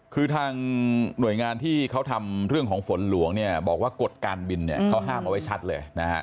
คือทางหน่วยงานที่เขาทำเรื่องของฝนหลวงบอกว่ากฏการบินเขาห้ามเอาไว้ชัดเลย